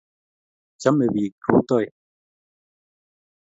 chamei pik rutoi